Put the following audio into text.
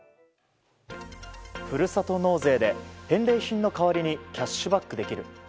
ふるさと納税で返礼品の代わりにキャッシュバックできる。